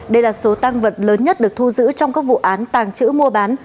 đây là số tăng vật lớn nhất được thu giữ trong các vụ án tàng trữ mua bán